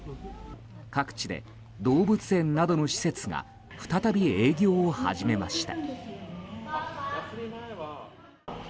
各地で、動物園などの施設が再び営業を始めました。